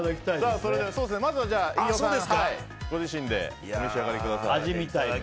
それではまずは飯尾さんご自身でお召し上がりください。